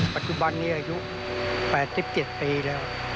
ปัจจุบันนี้อายุ๘๗ปีแล้ว